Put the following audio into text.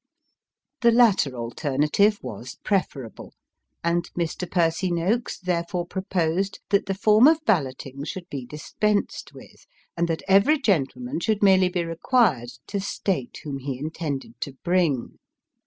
The latter alternative was prefer able; and Mr. Percy Noakes therefore proposed that the form of balloting should be dispensed with, and that every gentleman should merely be required to state whom he intended to bring.